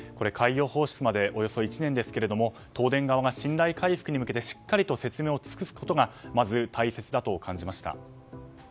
海洋放出までおよそ１年ですけれども東電側が、信頼回復に向けてしっかりと説明を尽くすことがまず大切だと感じました。